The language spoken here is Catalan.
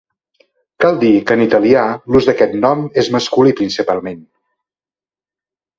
Cal dir que en italià l'ús d'aquest nom és masculí principalment.